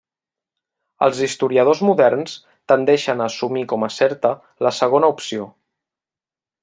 Els historiadors moderns tendeixen a assumir com a certa la segona opció.